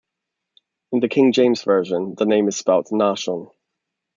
In the King James Version, the name is spelled Naashon.